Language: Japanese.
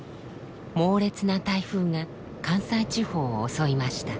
猛烈な台風が関西地方を襲いました。